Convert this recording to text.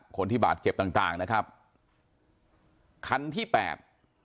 คนที่บาดเจ็บต่างต่างนะครับคันที่แปด